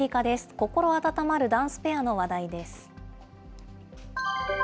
心温まるダンスペアの話題です。